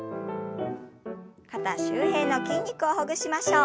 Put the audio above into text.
肩周辺の筋肉をほぐしましょう。